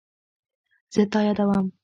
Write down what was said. زه تا یادوم